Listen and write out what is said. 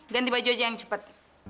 ganti baju aja yang cepat